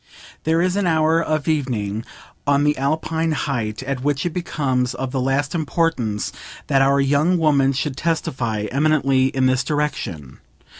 There is an hour of evening, on the alpine height, at which it becomes of the last importance that our young woman should testify eminently in this direction.